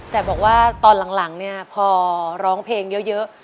แต่บอกว่าตอนหลังเนี่ยพอร้องเพลงเยอะ